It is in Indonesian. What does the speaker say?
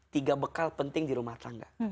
tiga bekal penting di rumah tangga